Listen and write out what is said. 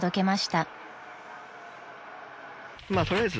まあ取りあえず。